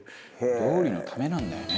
「料理のためなんだよね」